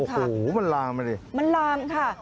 โอ้วมันลามละมันลามค่ะ